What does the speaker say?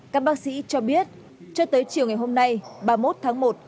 các bác sĩ cho biết cho tới chiều ngày hôm nay ba mươi một tháng một